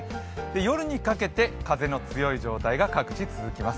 夜にかけて、風の強い状態が各地、続きます。